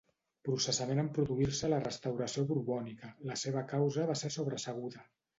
Processament en produir-se la restauració borbònica, la seva causa va ser sobreseguda.